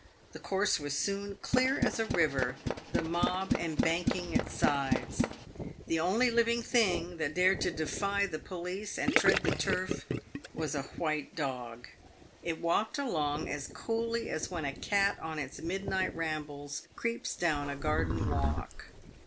The course was soon clear as a river, the mob embanking its sides. The only living thing that dared to defy the police and tread the turf was a white dog. It walked along as coolly as when a cat on its midnight rambles creeps down a garden walk.